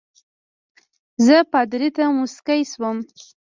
زه پادري ته مسکی شوم.